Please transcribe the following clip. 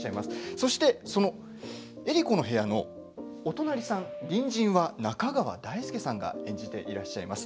そして江里子の部屋のお隣さん隣人は中川大輔さんが演じていらっしゃいます。